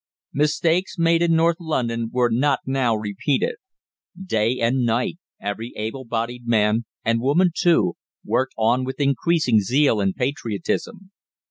Mistakes made in North London were not now repeated. Day and night every able bodied man, and woman too, worked on with increasing zeal and patriotism.